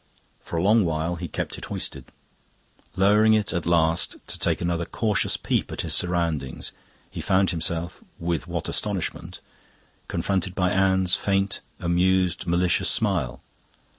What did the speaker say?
For a long while he kept it hoisted. Lowering it at last to take another cautious peep at his surroundings, he found himself, with what astonishment! confronted by Anne's faint, amused, malicious smile.